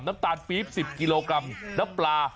น้ำตาลปรี๊บ๑๐กิโลกรัม